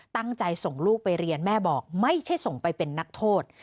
ตั้งใจส่งลูกไปเรียนแม่บอกไม่ใช่ส่งไปเป็นนักโทษ